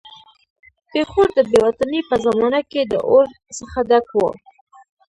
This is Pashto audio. پېښور د بې وطنۍ په زمانه کې د اور څخه ډک وو.